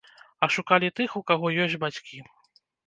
А шукалі тых, у каго ёсць бацькі.